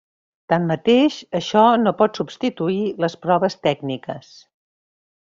Tanmateix això no pot substituir les proves tècniques.